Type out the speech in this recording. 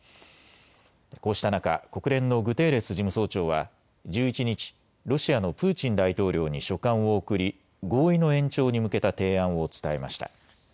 こうした中、国連のグテーレス事務総長は１１日、ロシアのプーチン大統領に書簡を送り合意の延長に向けた提案を伝えました。